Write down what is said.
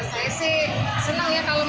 saya sih senang ya kalau dia punya talenta gitu